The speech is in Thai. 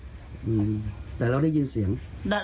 อืมแต่เราได้ยินเสียง